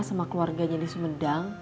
sama keluarganya di sumedang